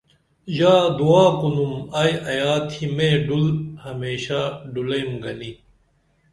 ژا دعا کُنُم ایا تھی مے ڈُل ہمیشہ ڈُھلئیم گنی